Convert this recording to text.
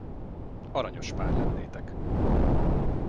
Aranyos pár lennétek.